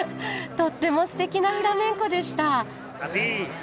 とってもすてきなフラメンコでした。